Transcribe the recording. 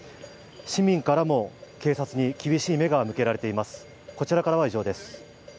市民からも警察に厳しい目が向けられています。